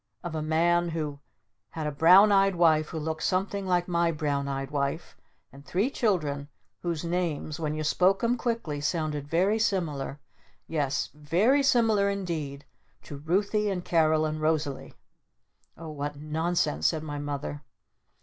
" Of a man who had a Brown Eyed Wife who looked something like my Brown Eyed Wife and three children whose names when you spoke 'em quickly sounded very similar yes, very similar indeed to 'Ruthy' and 'Carol' and 'Rosalee'!" "Oh what nonsense!" said my Mother.